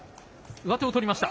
上手を取りました。